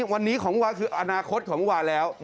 วันนี้ของวาคืออนาคตของวาแล้ว